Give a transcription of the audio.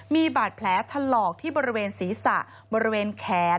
มีบาดแผลถลอกที่บริเวณศีรษะบริเวณแขน